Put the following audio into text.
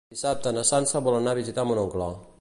Dissabte na Sança vol anar a visitar mon oncle.